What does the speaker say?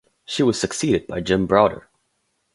She was succeeded by Jim Browder.